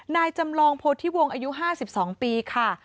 นายจำลองพจน์ที่วงอายุ๕๒ปีค่ะ